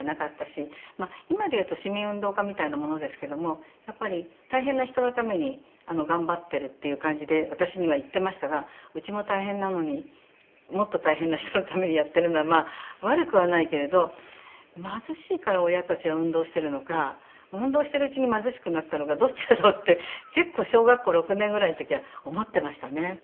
今でいうと市民運動家みたいなものですけどもやっぱり大変な人のために頑張ってるっていう感じで私には言ってましたがうちも大変なのにもっと大変な人のためにやってるのは悪くはないけれど貧しいから親たちは運動してるのか運動してるうちに貧しくなったのかどっちだろう？って結構小学校６年ぐらいの時は思ってましたね。